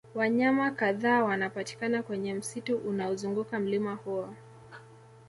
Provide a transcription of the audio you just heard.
wanyama kadhaa wanapatikana kwenye msitu unaozunguka mlima huo